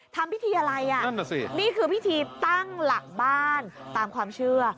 ทำพิธีอะไรอ่ะนั่นน่ะสินี่คือพิธีตั้งหลักบ้านตามความเชื่อ